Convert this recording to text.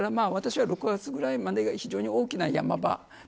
ですから私は６月ぐらいまでが非常に大きなヤマ場。